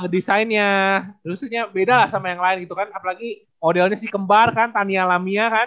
desainnya beda lah sama yang lain gitu kan apalagi modelnya si kembar kan tania lamia kan